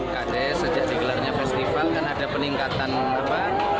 kd sejak digelarnya festival kan ada peningkatan apa